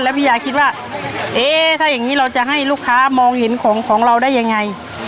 พี่ยาคิดว่าเอ๊ะถ้าอย่างนี้เราจะให้ลูกค้ามองเห็นของของเราได้ยังไง